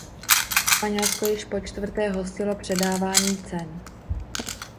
Španělsko již po čtvrté hostilo předávání cen.